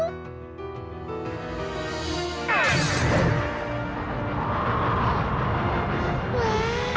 masalah itu segampang keong mas